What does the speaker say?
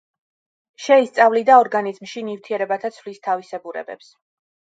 შეისწავლიდა ორგანიზმში ნივთიერებათა ცვლის თავისებურებებს.